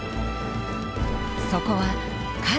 そこは数